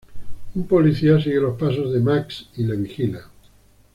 Un policía sigue los pasos de Max y le vigila.